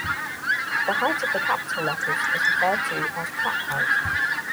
The height of the capital letters is referred to as Cap height.